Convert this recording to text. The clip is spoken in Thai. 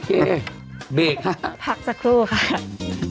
เบรกค่ะพักสักครู่ค่ะ